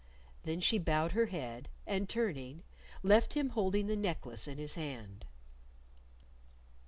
Then she bowed her head, and, turning, left him holding the necklace in his hand.